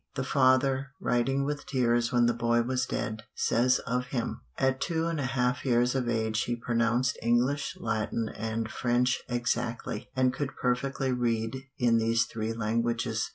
The father, writing with tears when the boy was dead, says of him: "At two and a half years of age he pronounced English, Latin, and French exactly, and could perfectly read in these three languages."